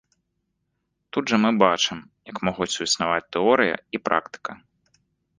Тут жа мы бачым, як могуць суіснаваць тэорыя і практыка.